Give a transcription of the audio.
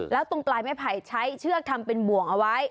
แล้วตรงปลายไม้ไผ่ใช้เชือกทำเป็นบ่วงเอาไว้